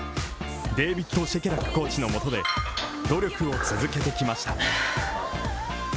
デービッド・シェケラックコーチのもとで努力を続けてきました。